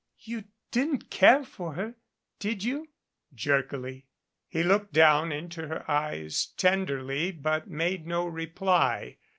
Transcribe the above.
"You didn't care for her, did you?" jerkily. He looked down into her eyes tenderly but made no reply.